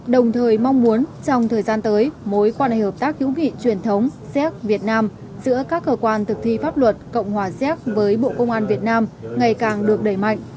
đồng thời mong muốn trong thời gian tới mối quan hệ hợp tác hữu nghị truyền thống xéc việt nam giữa các cơ quan thực thi pháp luật cộng hòa xéc với bộ công an việt nam ngày càng được đẩy mạnh